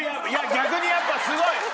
逆にやっぱすごい！